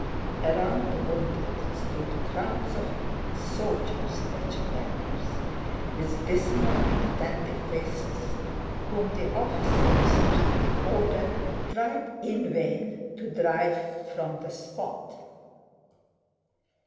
Around the wounded stood crowds of soldier stretcher bearers with dismal and attentive faces, whom the officers keeping order tried in vain to drive from the spot.